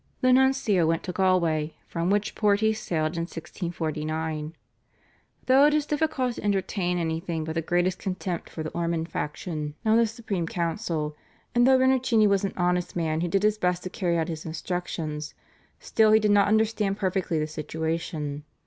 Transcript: The nuncio went to Galway, from which port he sailed in 1649. Though it is difficult to entertain anything but the greatest contempt for the Ormond faction on the Supreme Council, and though Rinuccini was an honest man who did his best to carry out his instructions, still he did not understand perfectly the situation.